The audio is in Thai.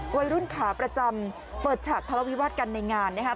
วัยรุ่นขาประจำเปิดฉากทะเลาวิวาสกันในงานนะครับ